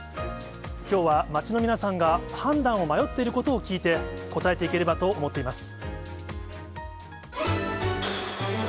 きょうは街の皆さんが判断を迷っていることを聞いて、答えていければと思っています。